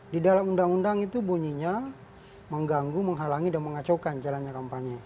di dalam undang undang itu bunyinya mengganggu menghalangi dan mengacaukan jalannya kampanye